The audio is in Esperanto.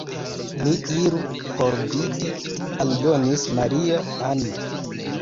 Ni iru por vidi», aldonis Maria-Ann.